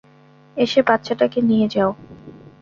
এসে বাচ্চাটাকে নিয়ে যাও।